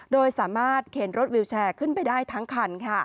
โดยสามารถเข็นรถวิวแชร์ขึ้นไปได้ทั้งคัน